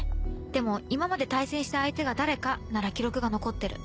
でも今まで対戦した相手が誰かなら記録が残ってる。